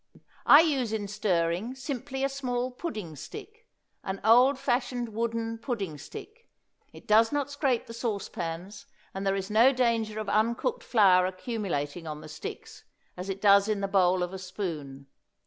I use in stirring simply a small pudding stick an old fashioned wooden pudding stick. It does not scrape the sauce pans, and there is no danger of uncooked flour accumulating on the sticks, as it does in the bowl of a spoon.